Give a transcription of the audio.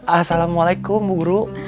assalamualaikum bu guru